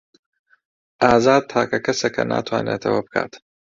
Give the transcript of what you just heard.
ئازاد تاکە کەسە کە ناتوانێت ئەوە بکات.